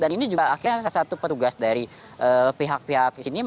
dan ini juga akhirnya salah satu petugas dari pihak pihak ini